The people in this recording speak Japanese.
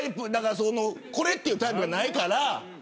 これというタイプがないから。